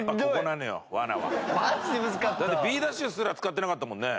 だってＢダッシュすら使ってなかったもんね。